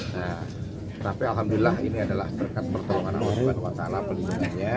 nah tapi alhamdulillah ini adalah berkat pertolongan allah swt pelindungannya